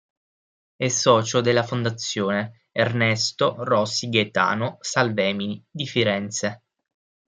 È socio della Fondazione "Ernesto Rossi-Gaetano Salvemini" di Firenze.